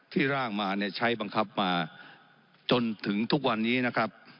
ร่างมาเนี่ยใช้บังคับมาจนถึงทุกวันนี้นะครับ